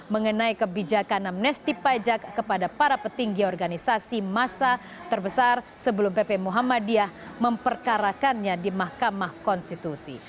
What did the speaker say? mengenai kebijakan amnesti pajak kepada para petinggi organisasi masa terbesar sebelum pp muhammadiyah memperkarakannya di mahkamah konstitusi